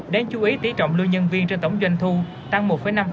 đáng chú ý tỷ trọng lưu nhân viên trên tổng doanh thu tăng một năm